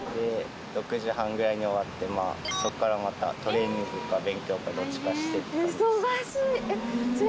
６時半ぐらいに終わってそっからまたトレーニングか勉強かどっちかしてって感じですね。